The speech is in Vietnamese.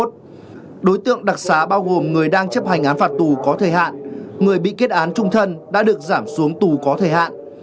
đối tượng đặc xá bao gồm người đang chấp hành án phạt tù có thời hạn người bị kết án trung thân đã được giảm xuống tù có thời hạn